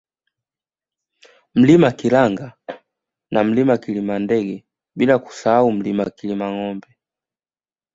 Mlima Kilanga na Mlima Kilimandege bila kusahau Mlima Kilimangombe